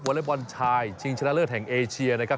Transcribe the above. เล็กบอลชายชิงชนะเลิศแห่งเอเชียนะครับ